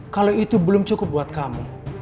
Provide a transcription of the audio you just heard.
kalau itu belum cukup buat kamu